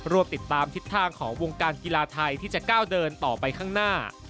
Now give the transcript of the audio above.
วบติดตามทิศทางของวงการกีฬาไทยที่จะก้าวเดินต่อไปข้างหน้า